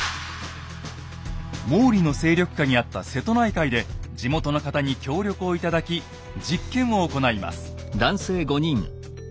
毛利の勢力下にあった瀬戸内海で地元の方に協力を頂き実験を行います。